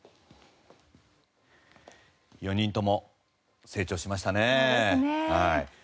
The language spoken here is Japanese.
４人とも成長しましたね。